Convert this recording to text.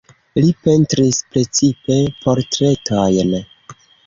Li pentris precipe portretojn.